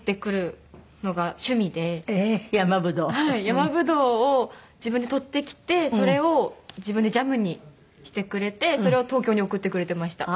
ヤマブドウを自分で採ってきてそれを自分でジャムにしてくれてそれを東京に送ってくれてました。